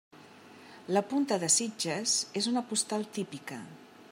La Punta de Sitges és una postal típica.